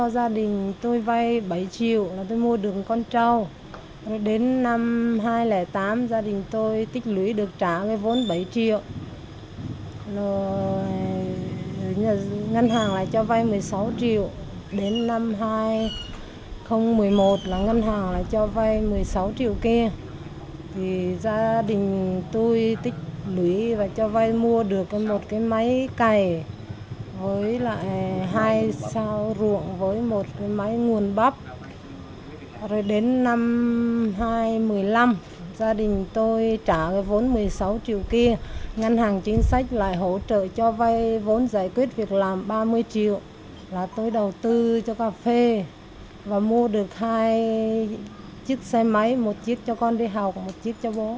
gia đình chị không những thoát nghèo mà còn vươn lên làm giàu từ vườn cà phê hồ tiêu và chăn nuôi